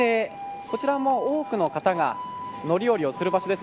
こちらも多くの方が乗り降りをする場所です。